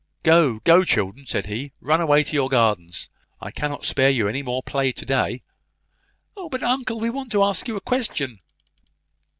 "Go, go, children!" said he; "run away to your gardens! I cannot spare you any more play to day." "Oh, but uncle, we want to ask you a question."